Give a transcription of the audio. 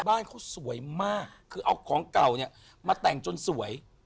บ้านเขาสวยมากคือเอาของเก่าเนี่ยมาแต่งจนสวย